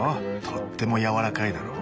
とっても柔らかいだろう？